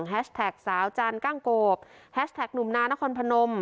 แฮชแท็กสาวจานกล้างโกบแฮชแท็กหนุ่มณคพนม